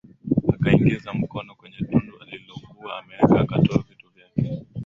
Akaingiza mkono kwenye tundu alilokuwa ameweka akatoa vitu vyake